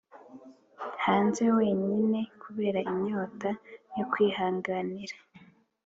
hanze wenyine, kubera inyota yo kwihanganira,